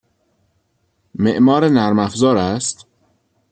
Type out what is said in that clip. معمار نرم افزار است؟